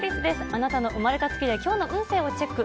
あなたの生まれた月で今日の運勢をチェック。